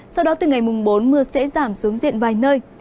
sau đó từ ngày mùng bốn mưa sẽ giảm xuống diện vài nơi